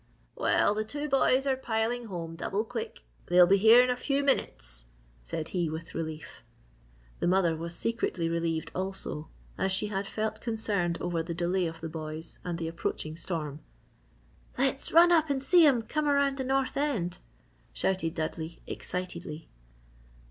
"Well, the two boys are piling home double quick they'll be here in a few minutes," said he, with relief. The mother was secretly relieved also, as she had felt concerned over the delay of the boys and the approaching storm. "Let's run up and see 'em come around the north end!" shouted Dudley, excitedly.